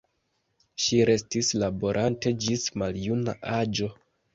Ŝi restis laborante ĝis maljuna aĝo.